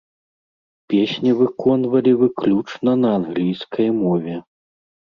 Песні выконвалі выключна на англійскай мове.